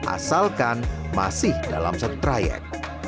asalkan masih dalam satu trayek